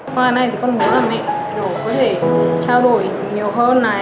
khoan này thì con muốn là mẹ kiểu có thể trao đổi nhiều hơn